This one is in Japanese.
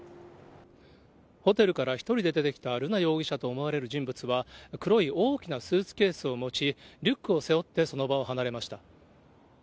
ホテルから１人で出てきた瑠奈容疑者と思われる人物は、黒い大きなスーツケースを持ち、リュックを背負って、その場を離れました。